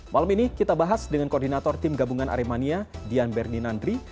malam ini kita bahas dengan koordinator tim gabungan aremania dian berninandri